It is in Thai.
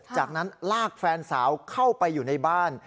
จากนั้นลากแฟนสาวเข้าไปอยู่ในบ้าน